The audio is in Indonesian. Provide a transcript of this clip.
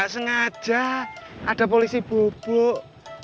sengaja ada polisi bubuk